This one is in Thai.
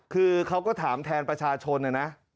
คือเขาก็ถามแทนประชาชนนะนะ